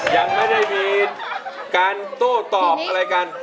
ยังไม่ได้มีการโต้ตอบอะไรกัน